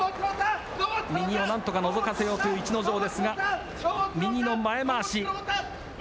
右をなんとかのぞかせようという逸ノ城ですが右の前まわし。